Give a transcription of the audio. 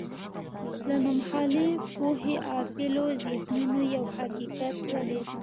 له نومهالې پوهې غافلو ذهنونو یو حقیقت ولید.